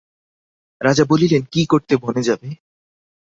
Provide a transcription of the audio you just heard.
রাজা বলিলেন, কী করতে বনে যাবে?